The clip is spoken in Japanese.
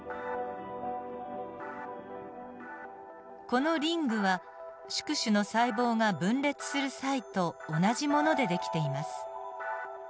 このリングは宿主の細胞が分裂する際と同じもので出来ています。